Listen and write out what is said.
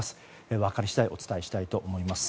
分かり次第お伝えしたいと思います。